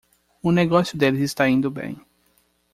O negócio deles está indo bem